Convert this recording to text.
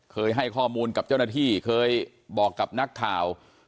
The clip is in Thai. เคยให้ข้อมูลกับเจ้าหน้าที่เคยบอกกับนักข่าว